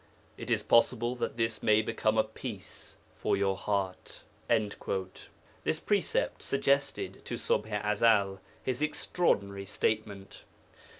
It is possible that this may become a peace for your heart.' This precept suggested to Ṣubḥ i Ezel his extraordinary statement.